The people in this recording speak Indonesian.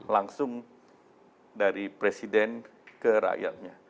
langsung dari presiden ke rakyatnya